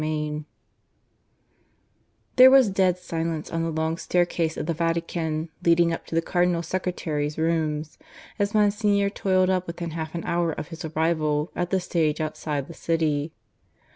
CHAPTER II (I) There was dead silence on the long staircase of the Vatican, leading up to the Cardinal Secretary's rooms, as Monsignor toiled up within half an hour of his arrival at the stage outside the city.